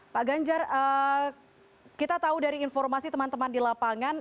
pak ganjar kita tahu dari informasi teman teman di lapangan